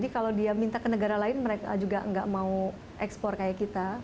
kita ke negara lain mereka juga nggak mau ekspor kayak kita